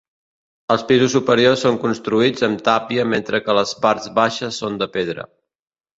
Els pisos superiors són construïts amb tàpia mentre que les parts baixes són de pedra.